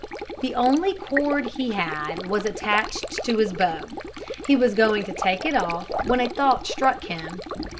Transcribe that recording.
The only cord he had was attached to his bow. He was going to take it off when a thought struck him.